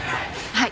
はい。